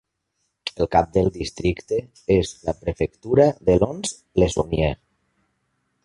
El cap del districte és la prefectura de Lons-le-Saunier.